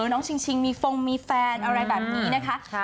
น้องชิงมีฟงมีแฟนอะไรแบบนี้นะคะ